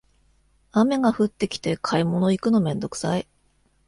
雨が降ってきて買い物行くのめんどくさい